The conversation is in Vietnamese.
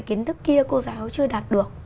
kiến thức kia cô giáo chưa đạt được